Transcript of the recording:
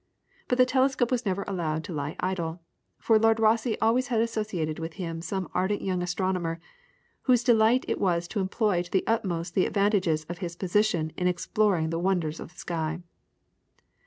But the telescope was never allowed to lie idle, for Lord Rosse always had associated with him some ardent young astronomer, whose delight it was to employ to the uttermost the advantages of his position in exploring the wonders of the sky.